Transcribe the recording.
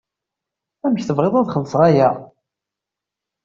Amek tebɣiḍ ad xellṣeɣ aya?